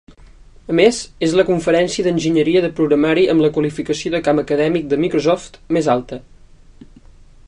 A més, és la conferència d'Enginyeria de programari amb la qualificació de camp acadèmic de Microsoft més alta.